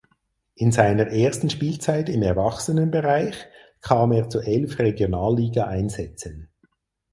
In seiner ersten Spielzeit im Erwachsenenbereich kam er zu elf Regionalligaeinsätzen.